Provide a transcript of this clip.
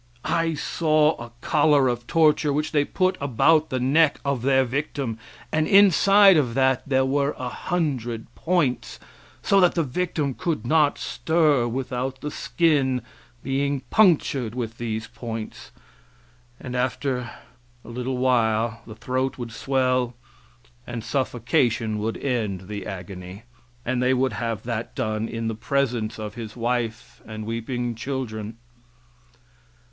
I saw a collar of torture which they put about the neck of their victim, and inside of that there were a hundred points; so that the victim could not stir without the skin being punctured with these points, and after a little while the throat would swell and suffocation would end the agony, and they would have that done in the presence of his wife and weeping children.